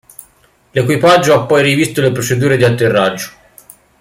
L'equipaggio ha poi rivisto le procedure di atterraggio.